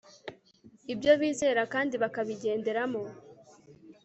ibyo bizera kandi bakabigenderamo